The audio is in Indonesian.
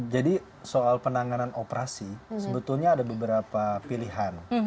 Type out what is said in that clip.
jadi soal penanganan operasi sebetulnya ada beberapa pilihan